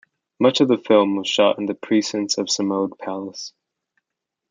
Much of the film was shot in the precincts of Samode Palace.